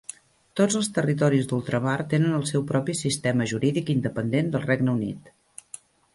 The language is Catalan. Tots els territoris d'ultramar tenen el seu propi sistema jurídic independent del Regne Unit.